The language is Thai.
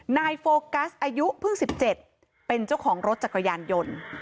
โฟกัสอายุเพิ่ง๑๗เป็นเจ้าของรถจักรยานยนต์